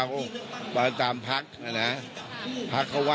อันนี้จะต้องจับเบอร์เพื่อที่จะแข่งกันแล้วคุณละครับ